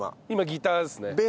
今ギターですね。